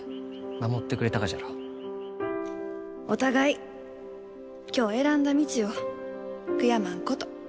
お互い今日選んだ道を悔やまんこと。